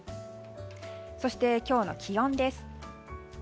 そして、今日の気温です。